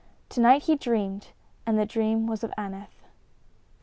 To night he dreamed, and the dream was of Aneth.